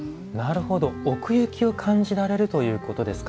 奥行きを感じられるということですか。